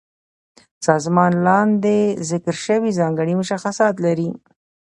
سازمان لاندې ذکر شوي ځانګړي مشخصات لري.